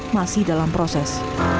masih dalam proses